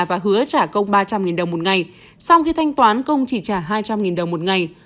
và hứa trả công ba trăm linh đồng một ngày sau khi thanh toán công chỉ trả hai trăm linh đồng một ngày